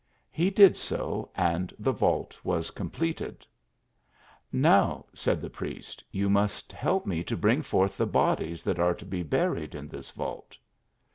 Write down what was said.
He did so, and the vault was completed. " Now," said the priest, " you must help me to bring forth the bodies that are to be buried in this vault."